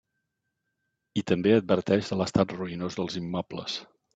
I també adverteix de l'estat ruïnós dels immobles.